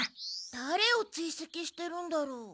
だれを追跡してるんだろう。